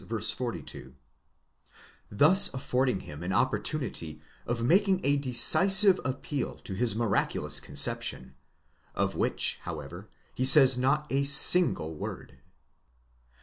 42), thus affording him an opportunity of making a decisive appeal to his miraculous conception, of which, however, he says not a single word.